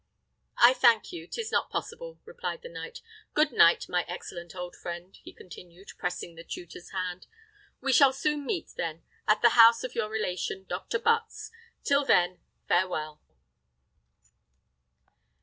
"I thank you, 'tis not possible," replied the knight. "Good night, my excellent old friend!" he continued, pressing the tutor's hand. "We shall soon meet, then, at the house of your relation, Doctor Butts: till then, farewell!"